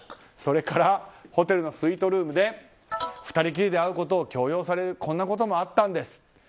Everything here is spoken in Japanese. それからホテルのスイートルームで２人きりで会うことを強要されるこういうこともあったんです。